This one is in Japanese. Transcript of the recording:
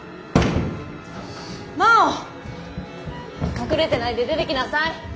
隠れてないで出てきなさい。